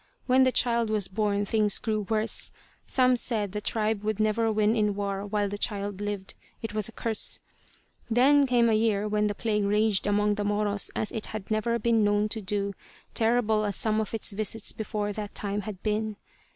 When the child was born things grew worse. Some said the tribe would never win in war while the child lived; it was a curse. Then came a year when the plague raged among the Moros as it had never been known to do, terrible as some of its visits before that time had been.